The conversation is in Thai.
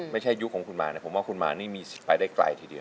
ยุคของคุณมานะผมว่าคุณมานี่มีสิทธิ์ไปได้ไกลทีเดียว